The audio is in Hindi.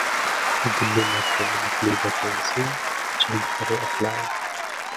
दिल्ली मेट्रो में निकली वैकेंसी, जल्द करें एप्लाई